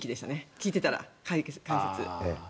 聞いていたら、解説を。